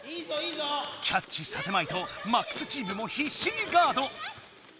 キャッチさせまいとＭＡＸチームもひっしにガード。